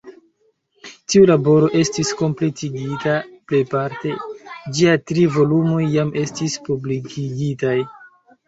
Tiu laboro estis kompletigita plejparte; ĝiaj tri volumoj jam estis publikigitaj.